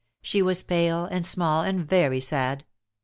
She was pale and small, and very sad.